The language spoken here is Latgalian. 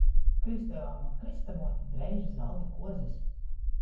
Krystāvam ar krystamuoti dreiži zalta kuozys.